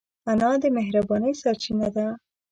انا د مهربانۍ سرچینه ده